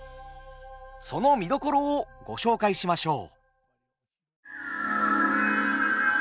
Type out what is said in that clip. その見どころをご紹介しましょう。